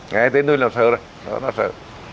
nghe tên tôi là sợ rồi đó là sợ